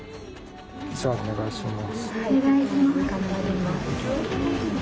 じゃあお願いします。